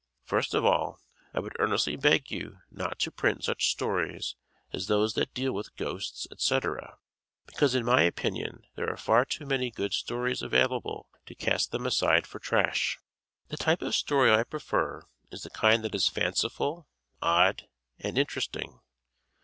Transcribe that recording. First of all, I would earnestly beg you not to print such stories as those that deal with ghosts, etc., because in my opinion there are far too many good stories available to cast them aside for trash. The type of story I prefer is the kind that is fanciful, odd and interesting.